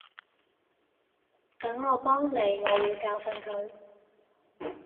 等我幫你，我會教訓佢